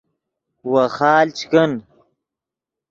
ویخال چے کن